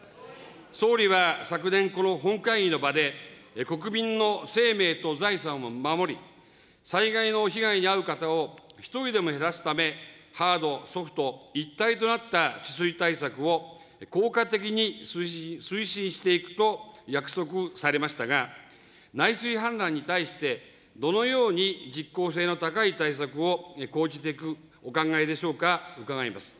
総理は昨年この本会議の場で、国民の生命と財産を守り、災害の被害に遭う方を１人でも減らすため、ハード、ソフト一体となった治水対策を、効果的に推進していくと約束されましたが、内水氾濫に対してどのように実効性の高い対策を講じていくお考えでしょうか、伺います。